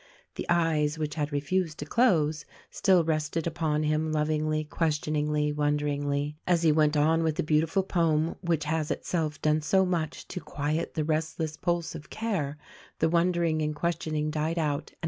The eyes which had refused to close, still rested upon him, lovingly, questioningly, wonderingly. As he went on with the beautiful poem which has itself done so much to "Quiet the restless pulse of care" the wondering and ques tioning died out and.